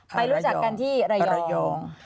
รู้จักกันที่ระยอง